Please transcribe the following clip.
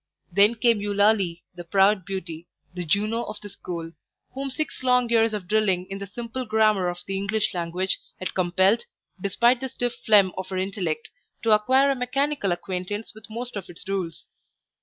Then came Eulalie, the proud beauty, the Juno of the school, whom six long years of drilling in the simple grammar of the English language had compelled, despite the stiff phlegm of her intellect, to acquire a mechanical acquaintance with most of its rules.